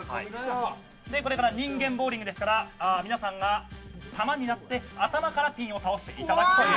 人間ボウリングですから皆さんが玉になって頭からピンを倒していただく。